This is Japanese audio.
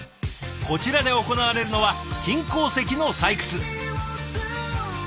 こちらで行われるのは金鉱石の採掘。